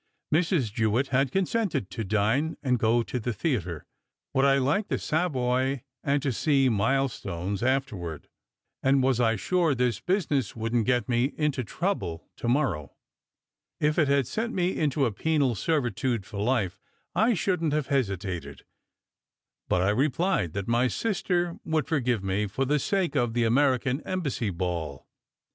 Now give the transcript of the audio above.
Mrs. Jewitt had consented to dine and go to the theatre. Would I like the Savoy, and to see "Milestones" after ward? And was I sure this business wouldn t get me in to trouble to morrow? If it had sent me into penal servitude for life, I shouldn t have hesitated; but I replied that my sister would forgive 30 SECRET HISTORY me for the sake of the American Embassy ball.